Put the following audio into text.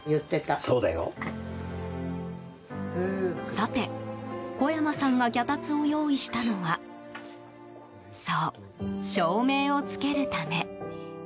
さて、小山さんが脚立を用意したのはそう、照明を付けるため。